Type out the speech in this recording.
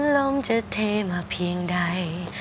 ลมจะเทมาเพียงใด